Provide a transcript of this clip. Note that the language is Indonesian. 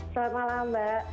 selamat malam mbak